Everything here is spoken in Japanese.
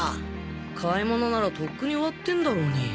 買い物ならとっくに終わってんだろうに。